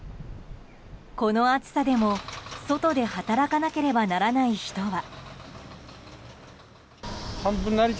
この暑さでも外で働かなければならない人は。